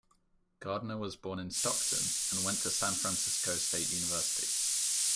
Gardner was born in Stockton, and went to San Francisco State University.